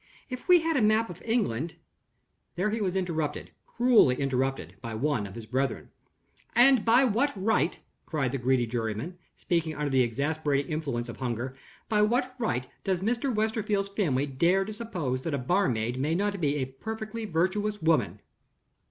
If we had a map of England " There he was interrupted, cruelly interrupted, by one of his brethren. "And by what right," cried the greedy juryman, speaking under the exasperating influence of hunger "by what right does Mr. Westerfield's family dare to suppose that a barmaid may not be a perfectly virtuous woman?"